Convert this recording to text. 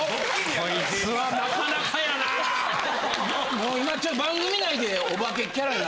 もう今番組内で。